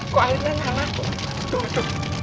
kok airnya alah